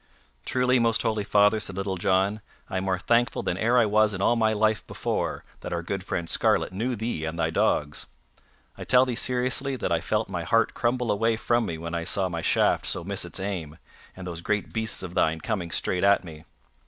"Truly, most holy father," said Little John, "I am more thankful than e'er I was in all my life before that our good friend Scarlet knew thee and thy dogs. I tell thee seriously that I felt my heart crumble away from me when I saw my shaft so miss its aim, and those great beasts of thine coming straight at me."